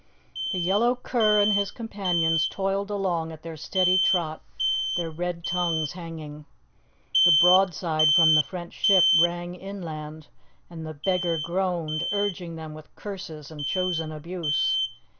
The yellow cur and his companions toiled along at their steady trot, their red tongues hanging. The broadside from the French ship rang inland, and the beggar groaned, urging them with curses and chosen abuse.